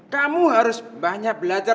kamu harus banyak belajar